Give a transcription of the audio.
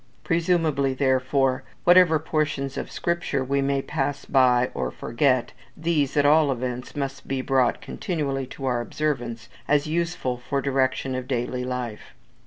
Presumably, therefore, whatever portions of Scripture we may pass by or forget, these at all events, must be brought continually to our observance as useful for direction of daily life.